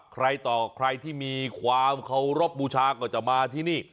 ใครต่อใครที่มีความเคารพบูชาก็จะมาที่นี่